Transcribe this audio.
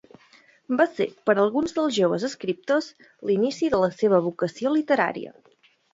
Va ser per alguns dels joves escriptors l'inici de la seva vocació literària.